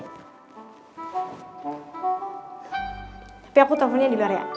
tapi aku teleponnya di bar ya